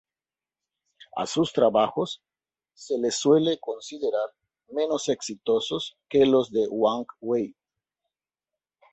A sus trabajos se les suele considerar menos exitosos que los de Wang Wei.